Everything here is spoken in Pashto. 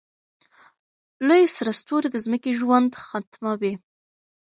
لوی سره ستوری د ځمکې ژوند ختموي.